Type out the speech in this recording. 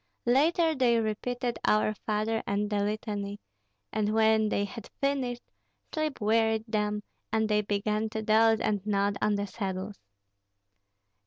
Later they repeated "Our Father" and the litany; and when they had finished, sleep wearied them, and they began to doze and nod on the saddles.